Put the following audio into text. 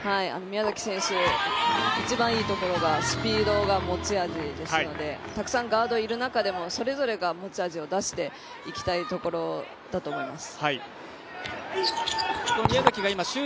一番いいところがスピードが持ち味ですのでたくさんガードいる中でもそれぞれが持ち味を出していきたいところだと思います。